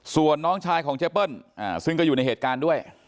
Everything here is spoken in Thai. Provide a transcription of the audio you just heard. ส่วนน้องชายของเจเปิ้ลซึ่งก็อยู่ในเหตุการณ์ด้วย